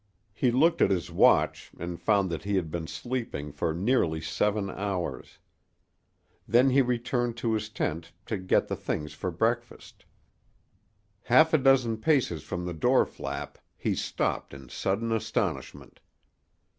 He looked at his watch and found that he had been sleeping for nearly seven hours. Then he returned to his tent to get the things for breakfast. Half a dozen paces from the door flap he stopped in sudden astonishment.